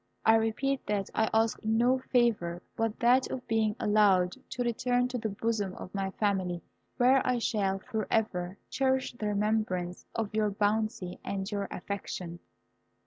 I repeat that I ask no favour but that of being allowed to return to the bosom of my family, where I shall for ever cherish the remembrance of your bounty and your affection."